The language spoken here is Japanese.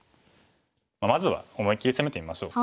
まずは思い切り攻めてみましょう。